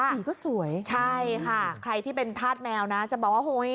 สีก็สวยใช่ค่ะใครที่เป็นธาตุแมวนะจะบอกว่าเฮ้ย